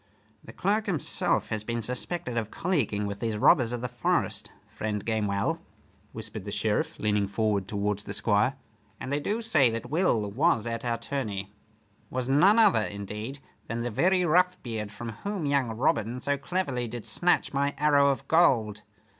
"The clerk himself has been suspected of colleaguing with these robbers of the forest, friend Gamewell," whispered the Sheriff, leaning forward towards the Squire. "And they do say that Will was at our tourney was none other, indeed, than the very Roughbeard from whom young Robin so cleverly did snatch my arrow of gold.